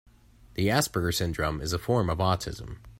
The Asperger syndrome is a form of autism.